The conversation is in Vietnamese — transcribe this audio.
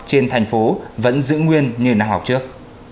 trên thành phố vẫn giữ nguyên như năm học trước